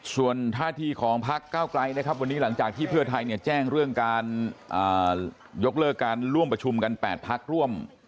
ส่วนท่าทีของพักเก้าไกลนะครับวันนี้หลังจากที่เพื่อไทยเนี่ยแจ้งเรื่องการยกเลิกการร่วมประชุมกัน๘พักร่วม